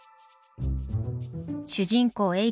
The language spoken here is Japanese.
主人公え